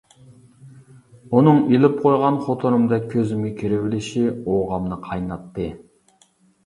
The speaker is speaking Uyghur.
ئۇنىڭ ئېلىپ قويغان خوتۇنۇمدەك كۆزۈمگە كىرىۋېلىشى ئوغامنى قايناتتى.